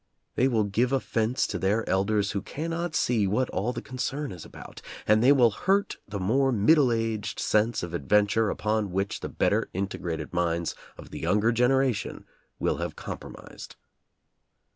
They will give offense to their elders who cannot see what all the concern is about, and they will hurt the more middle aged sense of adventure upon which the better in tegrated minds of the younger generation will have compromised.